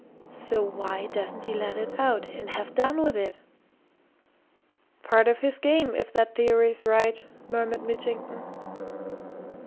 so why doesn't he let it out, and have done with it?" "Part of his game if that theory's right," murmured Mitchington.